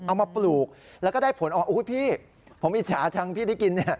เอามาปลูกแล้วก็ได้ผลออกอุ๊ยพี่ผมอิจฉาจังพี่ได้กินเนี่ย